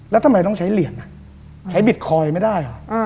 แล้วทำไมต้องใช้เหรียญใช้บิตคอยน์ไม่ได้